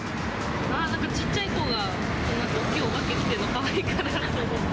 なんか小っちゃい子が、大きいお化け着てるの、かわいいかなと思って。